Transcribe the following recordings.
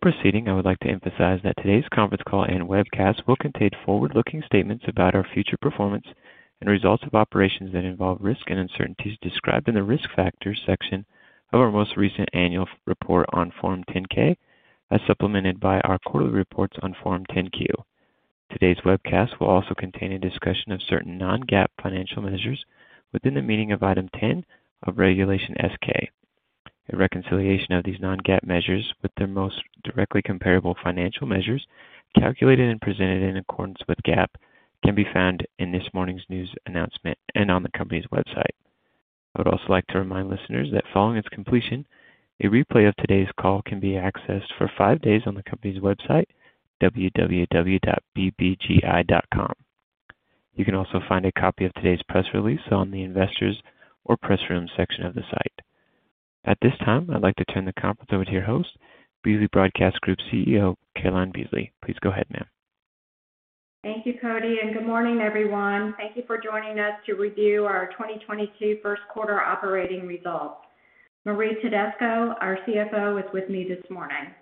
Before proceeding, I would like to emphasize that today's conference call and webcast will contain forward-looking statements about our future performance and results of operations that involve risks and uncertainties described in the Risk Factors section of our most recent annual report on Form 10-K, as supplemented by our quarterly reports on Form 10-Q. Today's webcast will also contain a discussion of certain non-GAAP financial measures within the meaning of Item 10 of Regulation S-K. A reconciliation of these non-GAAP measures with their most directly comparable financial measures, calculated and presented in accordance with GAAP, can be found in this morning's news announcement and on the company's website. I would also like to remind listeners that following its completion, a replay of today's call can be accessed for five days on the company's website, www.bbgi.com. You can also find a copy of today's press release on the Investors or Press Room section of the site. At this time, I'd like to turn the conference over to your host, Beasley Broadcast Group CEO, Caroline Beasley. Please go ahead, ma'am. Thank you, Cody, and good morning, everyone. Thank you for joining us to review our 2022 first quarter operating results. Marie Tedesco, our CFO, is with me this morning.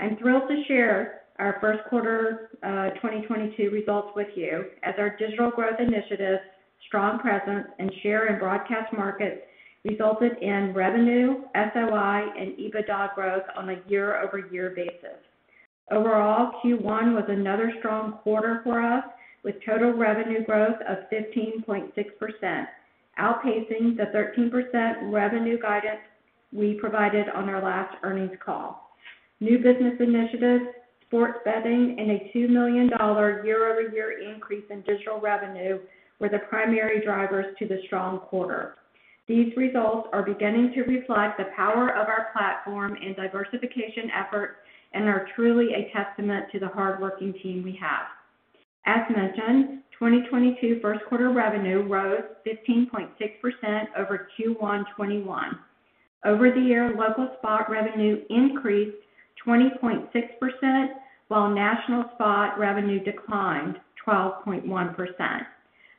I'm thrilled to share our first quarter 2022 results with you as our digital growth initiatives, strong presence, and share in broadcast markets resulted in revenue, SOI and EBITDA growth on a year-over-year basis. Overall, Q1 was another strong quarter for us with total revenue growth of 15.6%, outpacing the 13% revenue guidance we provided on our last earnings call. New business initiatives, sports betting and a $2 million year-over-year increase in digital revenue were the primary drivers to the strong quarter. These results are beginning to reflect the power of our platform and diversification efforts and are truly a testament to the hardworking team we have. As mentioned, 2022 first quarter revenue rose 15.6% over Q1 2020. Over-the-air local spot revenue increased 20.6%, while national spot revenue declined 12.1%.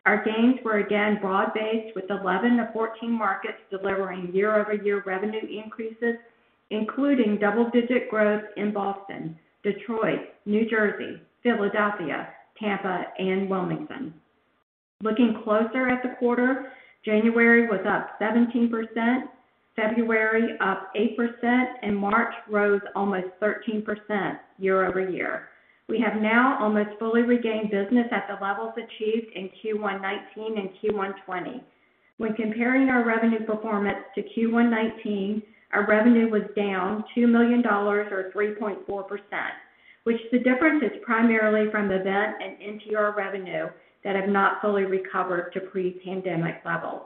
Our gains were again broad-based, with 11 of 14 markets delivering year-over-year revenue increases, including double-digit growth in Boston, Detroit, New Jersey, Philadelphia, Tampa, and Wilmington. Looking closer at the quarter, January was up 17%, February up 8%, and March rose almost 13% year-over-year. We have now almost fully regained business at the levels achieved in Q1 2019 and Q1 2020. When comparing our revenue performance to Q1 2019, our revenue was down $2 million or 3.4%, with the difference primarily from event and NTR revenue that have not fully recovered to pre-pandemic levels.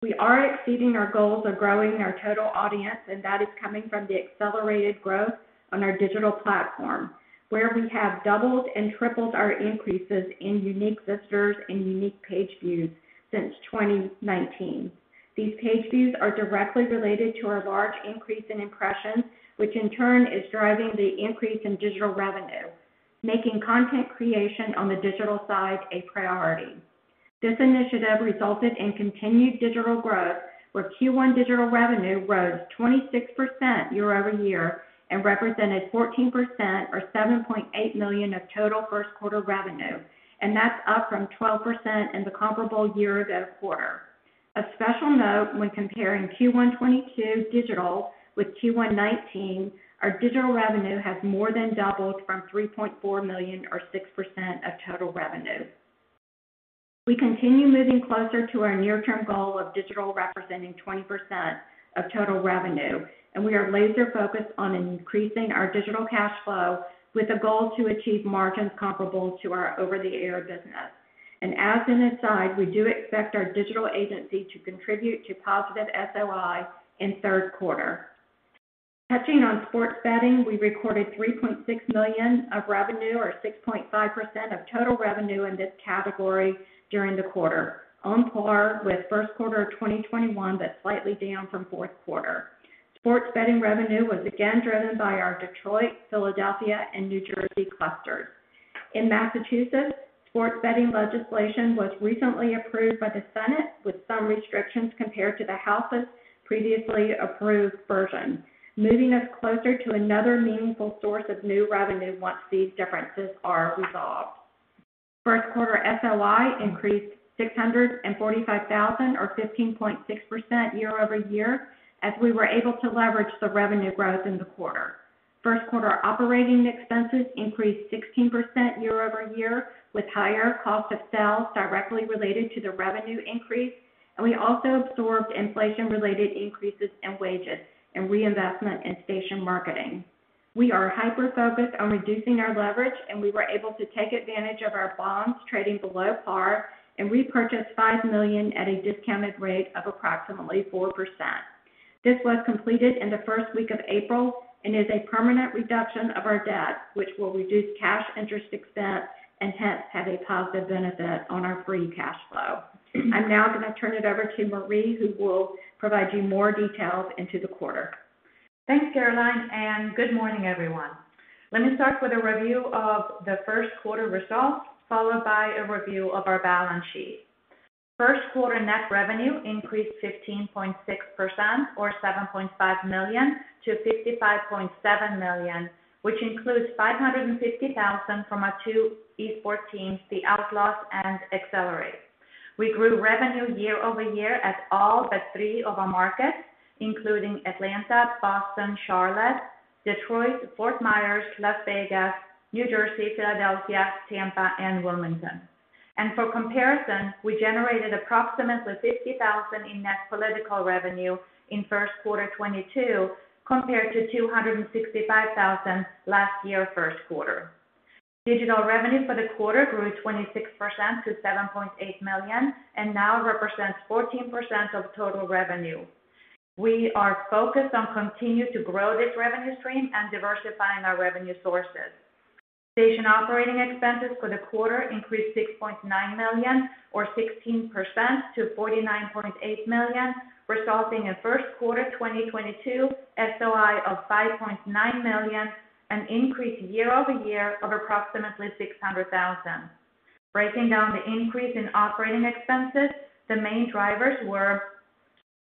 We are exceeding our goals of growing our total audience, and that is coming from the accelerated growth on our digital platform, where we have doubled and tripled our increases in unique visitors and unique page views since 2019. These page views are directly related to our large increase in impressions, which in turn is driving the increase in digital revenue, making content creation on the digital side a priority. This initiative resulted in continued digital growth, where Q1 digital revenue rose 26% year-over-year and represented 14% or $7.8 million of total first quarter revenue, and that's up from 12% in the comparable year ago quarter. A special note when comparing Q1 2022 digital with Q1 2019, our digital revenue has more than doubled from $3.4 million or 6% of total revenue. We continue moving closer to our near-term goal of digital representing 20% of total revenue, and we are laser-focused on increasing our digital cash flow with a goal to achieve margins comparable to our over-the-air business. As an aside, we do expect our digital agency to contribute to positive SOI in third quarter. Touching on sports betting, we recorded $3.6 million of revenue or 6.5% of total revenue in this category during the quarter, on par with first quarter of 2021, but slightly down from fourth quarter. Sports betting revenue was again driven by our Detroit, Philadelphia and New Jersey clusters. In Massachusetts, sports betting legislation was recently approved by the Senate with some restrictions compared to the House's previously approved version, moving us closer to another meaningful source of new revenue once these differences are resolved. First quarter SOI increased $645,000 or 15.6% year-over-year as we were able to leverage the revenue growth in the quarter. First quarter operating expenses increased 16% year-over-year, with higher cost of sales directly related to the revenue increase. We also absorbed inflation-related increases in wages and reinvestment in station marketing. We are hyper-focused on reducing our leverage, and we were able to take advantage of our bonds trading below par and repurchased $5 million at a discounted rate of approximately 4%. This was completed in the first week of April and is a permanent reduction of our debt, which will reduce cash interest expense and hence have a positive benefit on our free cash flow. I'm now gonna turn it over to Marie, who will provide you more details into the quarter. Thanks, Caroline, and good morning, everyone. Let me start with a review of the first quarter results, followed by a review of our balance sheet. First quarter net revenue increased 15.6% or $7.5 million to $55.7 million, which includes $550,000 from our two esports teams, The Outlaws and Team AXLE. We grew revenue year-over-year at all but three of our markets, including Atlanta, Boston, Charlotte, Detroit, Fort Myers, Las Vegas, New Jersey, Philadelphia, Tampa and Wilmington. For comparison, we generated approximately $50,000 in net political revenue in first quarter 2022 compared to $265,000 last year first quarter. Digital revenue for the quarter grew 26% to $7.8 million and now represents 14% of total revenue. We are focused on continue to grow this revenue stream and diversifying our revenue sources. Station operating expenses for the quarter increased $6.9 million or 16% to $49.8 million, resulting in first quarter 2022 SOI of $5.9 million, an increase year-over-year of approximately $600,000. Breaking down the increase in operating expenses, the main drivers were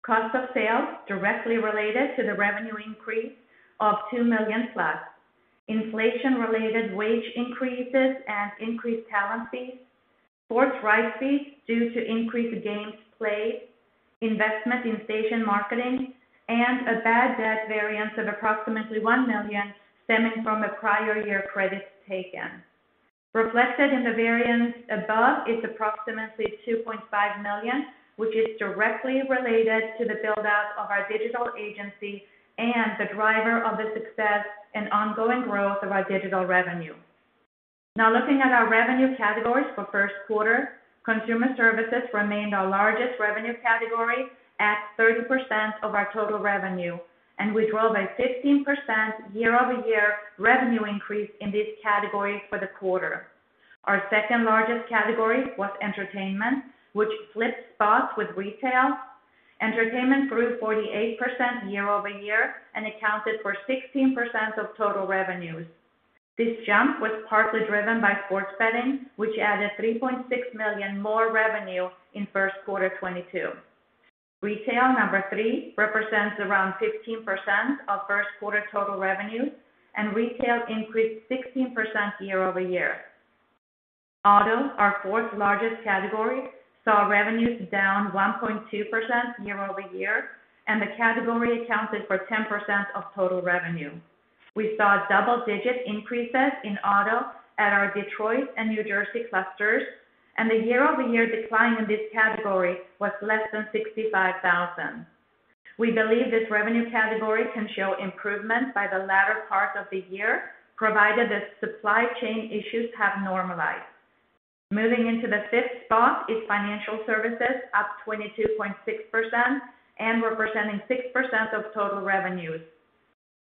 cost of sales directly related to the revenue increase of $2 million+, inflation related wage increases and increased talent fees, sports rights fees due to increased games played, investment in station marketing and a bad debt variance of approximately $1 million stemming from a prior year credits taken. Reflected in the variance above is approximately $2.5 million, which is directly related to the build out of our digital agency and the driver of the success and ongoing growth of our digital revenue. Now looking at our revenue categories for first quarter, consumer services remained our largest revenue category at 30% of our total revenue, and we drove a 15% year-over-year revenue increase in this category for the quarter. Our second largest category was entertainment, which flipped spots with retail. Entertainment grew 48% year-over-year and accounted for 16% of total revenues. This jump was partly driven by sports betting, which added $3.6 million more revenue in first quarter 2022. Retail number three represents around 15% of first quarter total revenues, and retail increased 16% year-over-year. Auto, our fourth largest category, saw revenues down 1.2% year-over-year, and the category accounted for 10% of total revenue. We saw double-digit increases in auto at our Detroit and New Jersey clusters, and the year-over-year decline in this category was less than $65,000. We believe this revenue category can show improvement by the latter part of the year, provided that supply chain issues have normalized. Moving into the fifth spot is financial services up 22.6% and representing 6% of total revenues.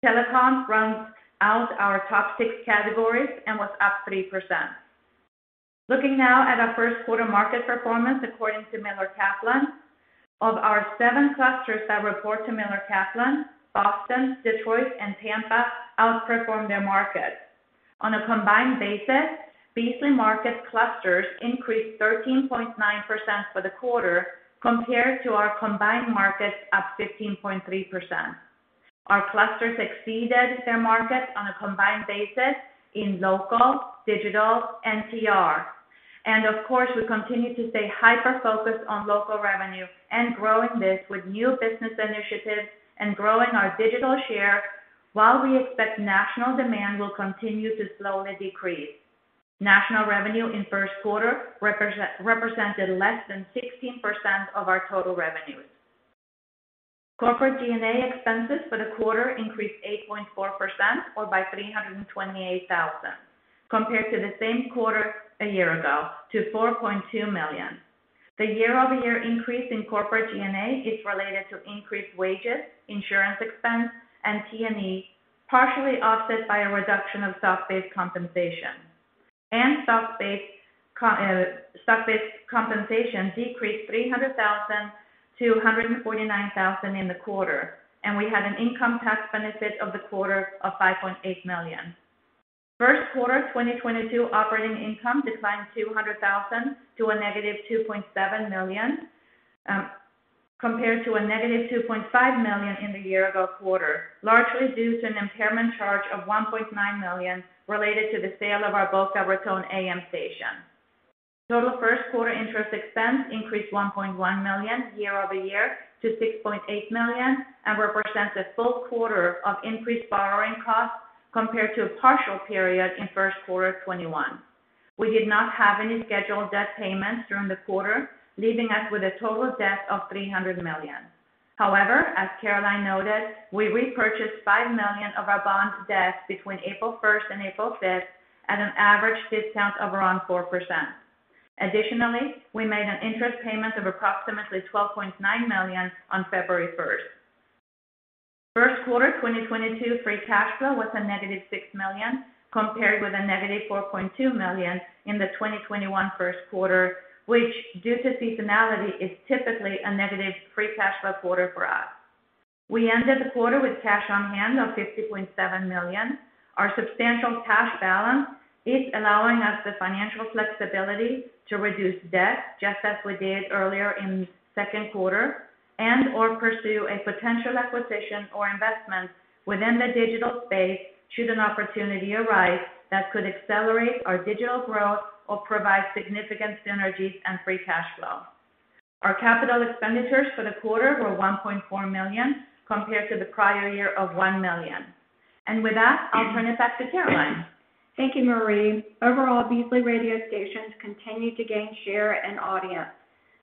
Telecom rounds out our top six categories and was up 3%. Looking now at our first quarter market performance according to Miller Kaplan. Of our seven clusters that report to Miller Kaplan, Boston, Detroit and Tampa outperformed their markets. On a combined basis, Beasley Market clusters increased 13.9% for the quarter compared to our combined markets up 15.3%. Our clusters exceeded their markets on a combined basis in local, digital and PR. Of course, we continue to stay hyper-focused on local revenue and growing this with new business initiatives and growing our digital share while we expect national demand will continue to slowly decrease. National revenue in first quarter represented less than 16% of our total revenues. Corporate G&A expenses for the quarter increased 8.4% or by $328,000 compared to the same quarter a year ago to $4.2 million. The year-over-year increase in corporate G&A is related to increased wages, insurance expense and T&E, partially offset by a reduction of stock-based compensation. Stock-based compensation decreased $300,000 to $149,000 in the quarter, and we had an income tax benefit for the quarter of $5.8 million. First quarter 2022 operating income declined $200,000 to -$2.7 million, compared to -$2.5 million in the year-ago quarter, largely due to an impairment charge of $1.9 million related to the sale of our Boca Raton AM station. Total first quarter interest expense increased $1.1 million year-over-year to $6.8 million, and represents a full quarter of increased borrowing costs compared to a partial period in first quarter 2021. We did not have any scheduled debt payments during the quarter, leaving us with a total debt of $300 million. However, as Caroline noted, we repurchased $5 million of our bond debt between April 1 and April 5 at an average discount of around 4%. Additionally, we made an interest payment of approximately $12.9 million on February 1. First quarter 2022 free cash flow was negative $6 million, compared with negative $4.2 million in the 2021 first quarter, which due to seasonality, is typically a negative free cash flow quarter for us. We ended the quarter with cash on hand of $50.7 million. Our substantial cash balance is allowing us the financial flexibility to reduce debt just as we did earlier in second quarter and or pursue a potential acquisition or investment within the digital space should an opportunity arise that could accelerate our digital growth or provide significant synergies and free cash flow. Our capital expenditures for the quarter were $1.4 million compared to the prior year of $1 million. With that, I'll turn it back to Caroline. Thank you, Marie. Overall, Beasley radio stations continued to gain share and audience,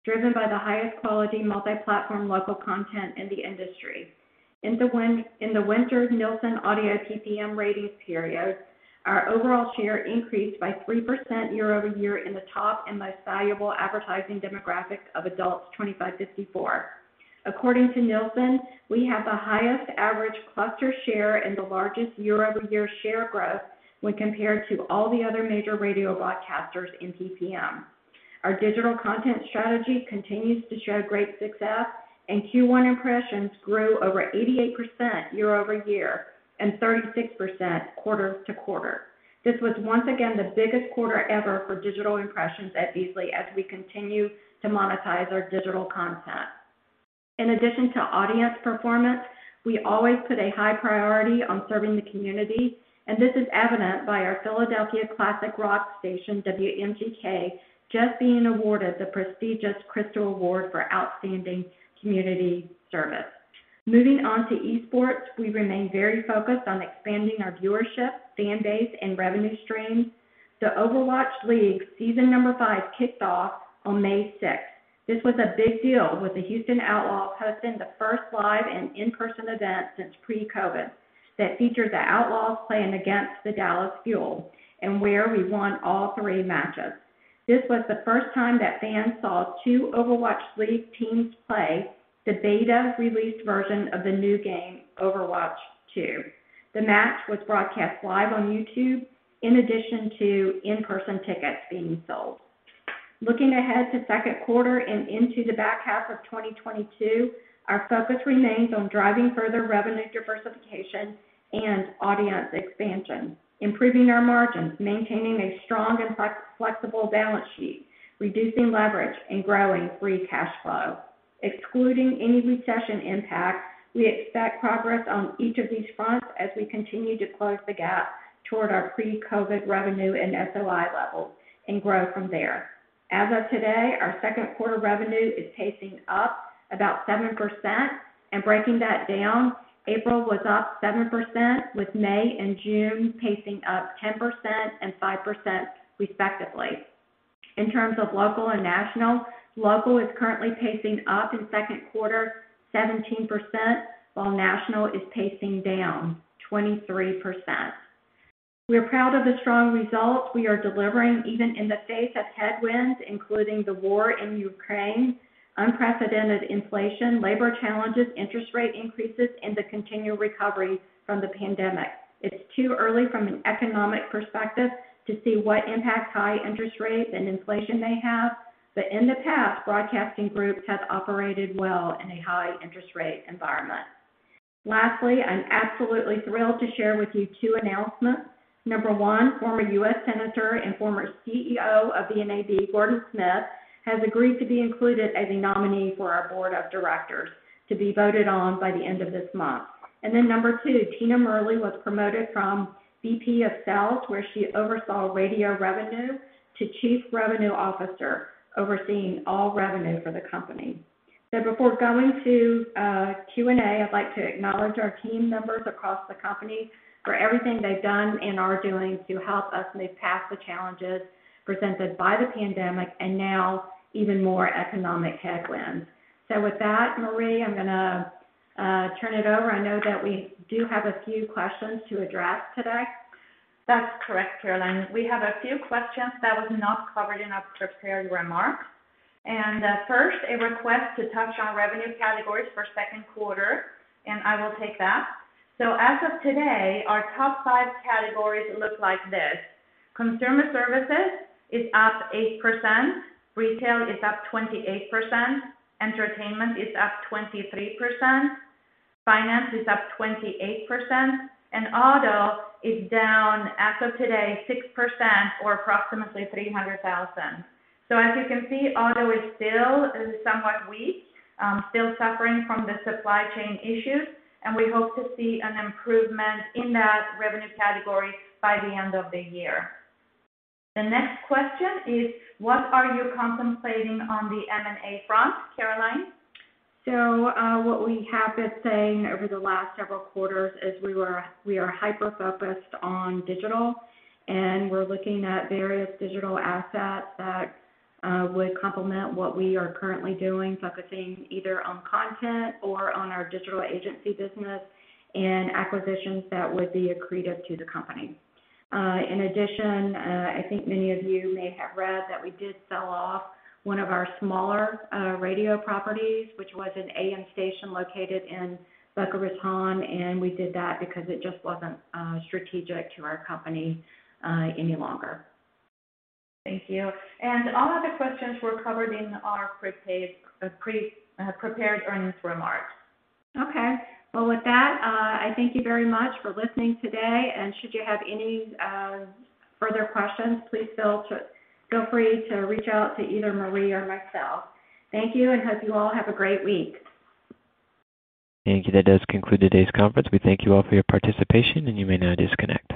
driven by the highest quality multi-platform local content in the industry. In the Winter Nielsen Audio PPM ratings period, our overall share increased by 3% year-over-year in the top and most valuable advertising demographic of adults 25 to 54. According to Nielsen, we have the highest average cluster share and the largest year-over-year share growth when compared to all the other major radio broadcasters in PPM. Our digital content strategy continues to show great success, and Q1 impressions grew over 88% year-over-year and 36% quarter-over-quarter. This was once again the biggest quarter ever for digital impressions at Beasley as we continue to monetize our digital content. In addition to audience performance, we always put a high priority on serving the community, and this is evident by our Philadelphia classic rock station, WMGK, just being awarded the prestigious Crystal Award for outstanding community service. Moving on to esports, we remain very focused on expanding our viewership, fan base, and revenue streams. The Overwatch League Season 5 kicked off on May sixth. This was a big deal with the Houston Outlaws hosting the first live and in-person event since pre-COVID that featured the Outlaws playing against the Dallas Fuel and where we won all three matches. This was the first time that fans saw two Overwatch League teams play the beta release version of the new game, Overwatch 2. The match was broadcast live on YouTube in addition to in-person tickets being sold. Looking ahead to second quarter and into the back half of 2022, our focus remains on driving further revenue diversification and audience expansion, improving our margins, maintaining a strong and flexible balance sheet, reducing leverage, and growing free cash flow. Excluding any recession impact, we expect progress on each of these fronts as we continue to close the gap toward our pre-COVID revenue and SOI levels and grow from there. As of today, our second quarter revenue is pacing up about 7%. Breaking that down, April was up 7%, with May and June pacing up 10% and 5% respectively. In terms of local and national, local is currently pacing up in second quarter 17%, while national is pacing down 23%. We're proud of the strong results we are delivering even in the face of headwinds, including the war in Ukraine, unprecedented inflation, labor challenges, interest rate increases, and the continued recovery from the pandemic. It's too early from an economic perspective to see what impact high interest rates and inflation may have, but in the past, broadcasting groups have operated well in a high interest rate environment. Lastly, I'm absolutely thrilled to share with you two announcements. Number one, former U.S. Senator and former CEO of the NAB, Gordon H. Smith, has agreed to be included as a nominee for our board of directors to be voted on by the end of this month. Number two, Tina Murley was promoted from VP of Sales, where she oversaw radio revenue, to Chief Revenue Officer, overseeing all revenue for the company. Before going to Q&A, I'd like to acknowledge our team members across the company for everything they've done and are doing to help us move past the challenges presented by the pandemic and now even more economic headwinds. With that, Marie, I'm gonna turn it over. I know that we do have a few questions to address today. That's correct, Caroline. We have a few questions that was not covered in our prepared remarks. First, a request to touch on revenue categories for second quarter, and I will take that. As of today, our top five categories look like this. Consumer services is up 8%, retail is up 28%, entertainment is up 23%, finance is up 28%, and auto is down, as of today, 6% or approximately $300,000. As you can see, auto is still somewhat weak, still suffering from the supply chain issues, and we hope to see an improvement in that revenue category by the end of the year. The next question is, what are you contemplating on the M&A front? Caroline? What we have been saying over the last several quarters is we are hyper-focused on digital, and we're looking at various digital assets that would complement what we are currently doing, focusing either on content or on our digital agency business and acquisitions that would be accretive to the company. In addition, I think many of you may have read that we did sell off one of our smaller radio properties, which was an AM station located in Boca Raton, and we did that because it just wasn't strategic to our company any longer. Thank you. All other questions were covered in our prepared earnings remarks. Okay. Well, with that, I thank you very much for listening today. Should you have any further questions, please feel free to reach out to either Marie or myself. Thank you, and hope you all have a great week. Thank you. That does conclude today's conference. We thank you all for your participation, and you may now disconnect.